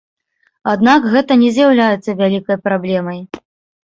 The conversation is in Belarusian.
Аднак гэта не з'яўляецца вялікай праблемай.